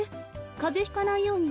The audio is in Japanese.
かぜひかないようにね。